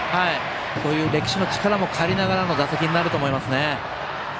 そういう歴史の力も借りながらの打席になると思いますね。